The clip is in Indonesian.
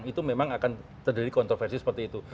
itu memang akan terjadi kontroversi seperti itu